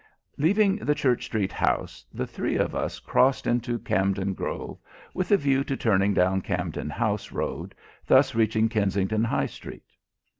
Leaving the Church Street house, the three of us crossed into Campden Grove, with a view to turning down Campden House Road, thus reaching Kensington High Street.